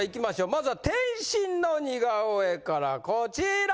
まずは天心の似顔絵からこちら！